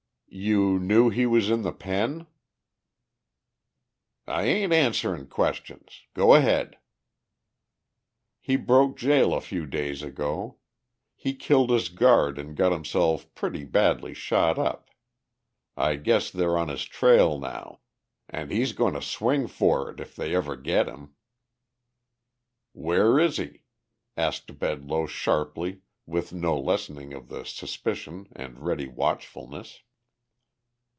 "You knew he was in the pen?" "I ain't answerin' questions. Go ahead." "He broke jail a few days ago. He killed his guard and got himself pretty badly shot up. I guess they're on his trail now. And he's going to swing for it if they ever get him." "Where is he?" asked Bedloe sharply with no lessening of the suspicion and ready watchfulness.